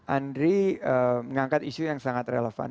andri mengangkat isu yang sangat relevan